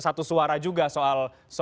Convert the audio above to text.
satu suara juga soal